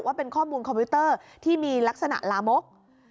ว่าเป็นข้อมูลคอมพิวเตอร์ที่มีลักษณะลามก